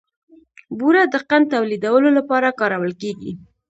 بوره د قند تولیدولو لپاره کارول کېږي.